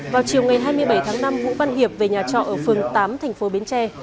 vào chiều ngày hai mươi bảy tháng năm vũ văn hiệp về nhà trọ ở phường tám thành phố bến tre